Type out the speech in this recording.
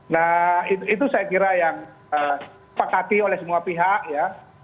nah itu saya kira yang pakati oleh semua pihak ya